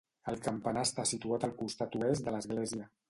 El campanar està situat al costat oest de l'església.